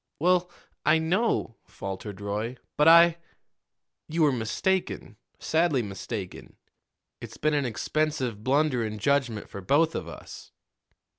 "Well, I know," faltered Roy; "but I " "You were mistaken sadly mistaken. It's been an expensive blunder in judgment for both of us."